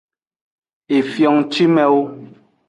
Efio ngcimewo.